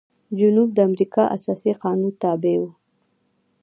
جنوب د امریکا اساسي قانون تابع و.